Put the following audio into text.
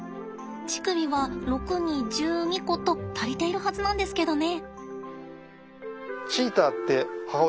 乳首は６×２１２個と足りているはずなんですけどね。